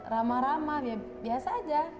ramah ramah biasa saja